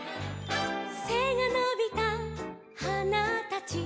「せがのびたはなたち」